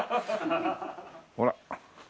ほら。